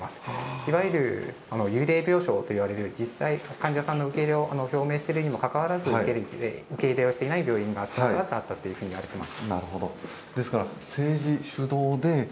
いわゆる、幽霊病床といわれる実際、患者さんの受け入れを表明しているにもかかわらず受け入れをしていない病院が少なからずあったといわれています。